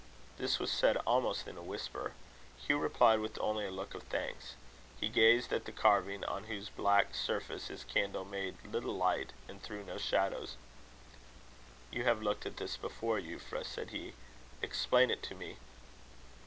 This was said almost in a whisper. Hugh replied with only a look of thanks. He gazed at the carving, on whose black surface his candle made little light, and threw no shadows. "You have looked at this before, Euphra," said he. "Explain it to me."